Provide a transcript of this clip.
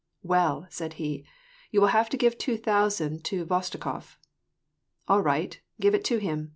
"Well !" said he, "you will have to give two thousand to Khvostikof." " All right, give it to him